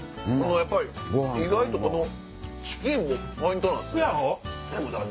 意外とこのチキンもポイントなんすね。